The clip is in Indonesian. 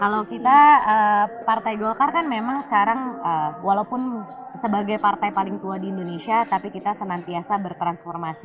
kalau kita partai golkar kan memang sekarang walaupun sebagai partai paling tua di indonesia tapi kita senantiasa bertransformasi